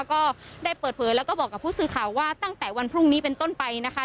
ก็ได้เปิดเผยแล้วก็บอกกับผู้สื่อข่าวว่าตั้งแต่วันพรุ่งนี้เป็นต้นไปนะคะ